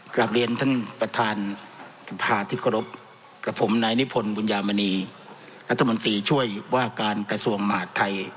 กลับเรียนท่านประธานสภาที่เคารพกับผมนายนิพนธ์บุญญามณีรัฐมนตรีช่วยว่าการกระทรวงมหาดไทย